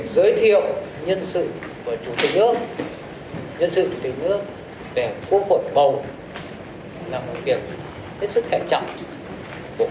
cho nên là cần phải được chuẩn bị hết sức là chú đáo hết sức là ký hương